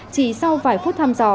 chỉ sau vài phút thăm dò